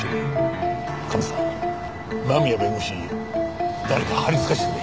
カメさん間宮弁護士に誰か張りつかせてくれ。